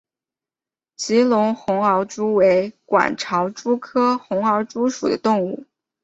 吉隆红螯蛛为管巢蛛科红螯蛛属的动物。